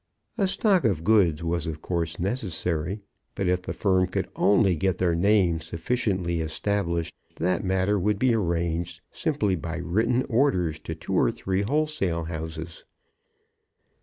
A stock of goods was of course necessary, but if the firm could only get their name sufficiently established, that matter would be arranged simply by written orders to two or three wholesale houses.